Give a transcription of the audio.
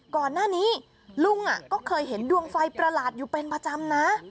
ก่อนหน้านี้ลุงก็เคยเห็นดวงไฟประหลาดอยู่เป็นประจำนะ